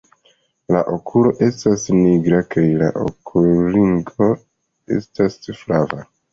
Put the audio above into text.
La okulo estas nigra kaj la okulringo estas flava.